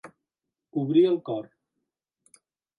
Obrir el cor.